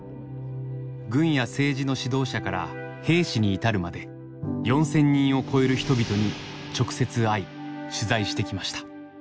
軍や政治の指導者から兵士に至るまで４，０００人を超える人々に直接会い取材してきました。